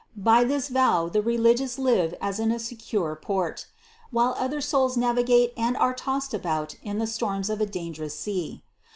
By this vow the religious live as in a secure port, while other souls navi gate and are tossed about in the storms of a dangerous sea.